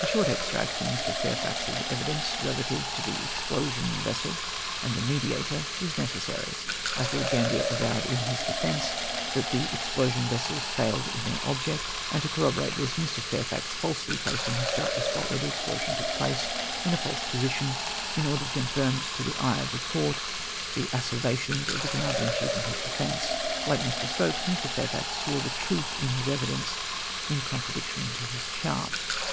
A short extract from Mr. Fairfax's evidence relative to the explosion vessel and the Mediator is necessary, as Lord Gambler avowed in his defence that the " ex plosion vessels failed in their object ;" and to corrobo 76 LOED GA^rBir:?. ox THE EXPLOSIOX VESSELS. rate tliis, ]\ii\ Fairfax folsely placed on his chart the spot Avhere the explosion took place, in a false position, in order to confirm to the eye of the Court the asseve rations of the Commander hi chief in his defence. Like Mr. Stokes, Mr. Fairfox swore the truth in his evidence in contradiction to his chart.